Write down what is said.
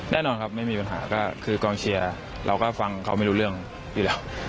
แน่นอนครับไม่มีปัญหาก็คือกองเชียร์เราก็ฟังเขาไม่รู้เรื่องอยู่แล้ว